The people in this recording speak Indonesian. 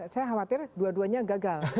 saya khawatir dua duanya gagal